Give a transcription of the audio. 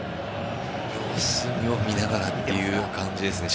様子を見ながらっていう感じですね。